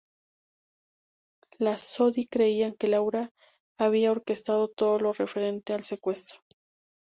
Las Sodi creían que Laura había orquestado todo lo referente al secuestro.